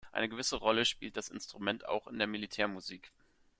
Eine gewisse Rolle spielt das Instrument auch in der Militärmusik.